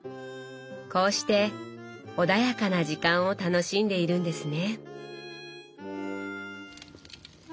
こうして穏やかな時間を楽しんでいるんですね。